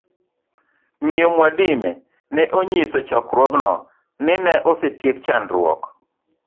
Miyo Mwadime ne onyiso chokruogno ni ne osetiek chandruok